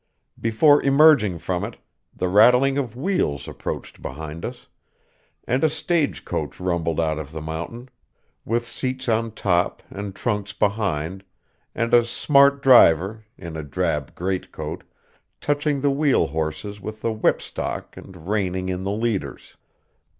Before emerging from it, the rattling of wheels approached behind us, and a stage coach rumbled out of the mountain, with seats on top and trunks behind, and a smart driver, in a drab greatcoat, touching the wheel horses with the whipstock and reining in the leaders.